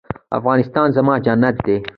افغانستان زما جنت دی